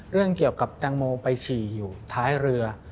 เรื่องเกี่ยวกับแตงโมไปฉี่อยู่ท้ายเรือ